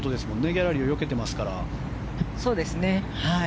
ギャラリーをよけていますから。